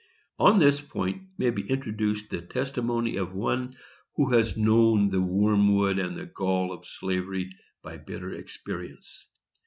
On this point may be introduced the testimony of one who has known the wormwood and the gall of slavery by bitter experience.